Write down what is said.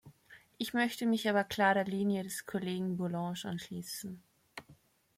Ich möchte mich aber klar der Linie des Kollegen Bourlanges anschließen.